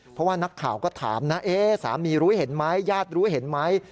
เพราะว่านักข่าวก็ถามนะสามีรู้เห็นไหมญาติรู้เห็นไหม